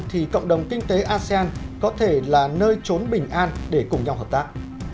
thì cộng đồng kinh tế asean có thể là nơi trốn bình an để cùng nhau hợp tác